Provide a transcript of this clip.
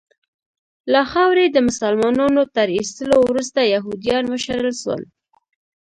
له خاورې د مسلمانانو تر ایستلو وروسته یهودیان وشړل سول.